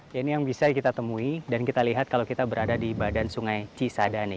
ya ini yang bisa kita temui dan kita lihat kalau kita berada di badan sungai cisadane